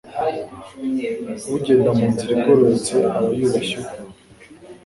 Ugenda mu nzira igororotse aba yubashye Uhoraho